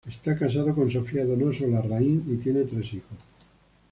Está casado con Sofía Donoso Larraín y tiene tres hijos.